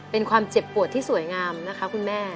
เป็นความเจ็บปวดที่สวยงามนะคะคุณแม่